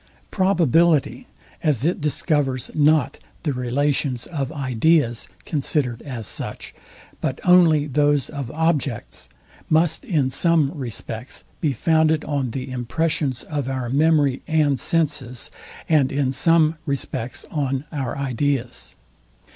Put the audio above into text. Probability, as it discovers not the relations of ideas, considered as such, but only those of objects, must in some respects be founded on the impressions of our memory and senses, and in some respects on our ideas.